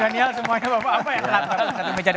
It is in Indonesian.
jangan dihapus karena ada yang ingin diselamatin